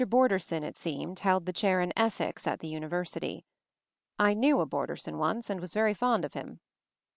BORDERSON, it seemed, held the chair in Ethics at the Univer sity, I knew a Borderson once and was very fond of him.